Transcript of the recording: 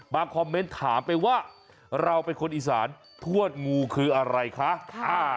คอมเมนต์ถามไปว่าเราเป็นคนอีสานทวดงูคืออะไรคะ